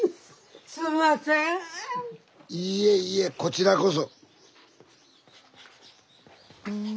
いいえいいえこちらこそ。